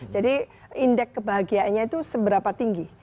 jadi indeks kebahagiaannya itu seberapa tinggi